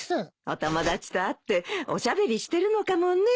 お友達と会っておしゃべりしてるのかもね。